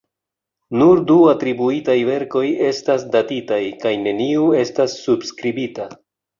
Nur du atribuitaj verkoj estas datitaj, kaj neniu estas subskribita.